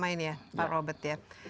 main ya pak robert